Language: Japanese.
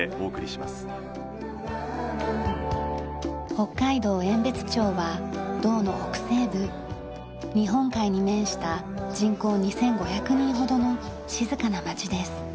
北海道遠別町は道の北西部日本海に面した人口２５００人ほどの静かな町です。